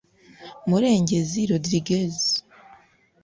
Murengezi Rodriguez